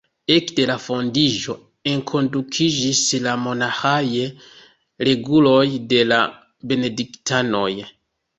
Ekde la fondiĝo enkondukiĝis la monaĥaj reguloj de la benediktanoj.